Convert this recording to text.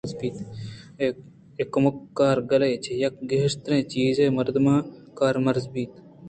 اے کُمکّار گالے چَہ یک ءَ گیشترّیں چیز ءُ مردماں کارمرز بیت۔